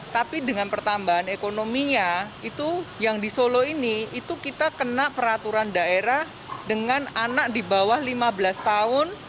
tapi dengan pertambahan ekonominya itu yang di solo ini itu kita kena peraturan daerah dengan anak di bawah lima belas tahun